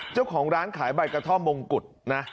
เจ้าของร้านขายใบกระท่อมมงกุฎนะ